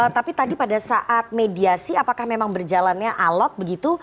tapi tadi pada saat mediasi apakah memang berjalannya alok begitu